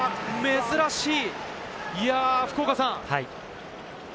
珍しい！